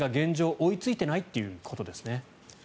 追いついていないということですね。